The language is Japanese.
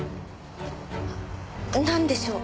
なんでしょう？